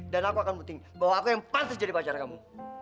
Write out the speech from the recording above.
dan aku akan buting bahwa aku yang pantas jadi pacar kamu